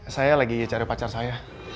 saya lagi cari pacar saya